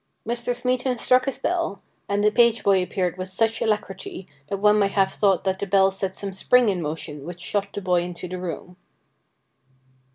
Mr. Smeaton struck his bell, and the page boy appeared with such alacrity that one might have thought that the bell set some spring in motion which shot the boy into the room.